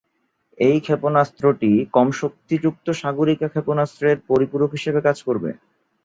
এই ক্ষেপণাস্ত্রটি কম শক্তি যুক্ত সাগরিকা ক্ষেপণাস্ত্রের পরিপূরক হিসাবে কাজ করবে।